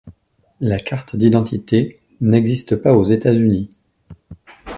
La carte d'identité n'existe pas aux États-Unis.